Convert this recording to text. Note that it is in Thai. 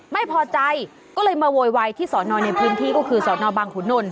ไม่พอใจก็เลยมาโวยวายที่สอนอในพื้นที่ก็คือสอนอบังขุนนท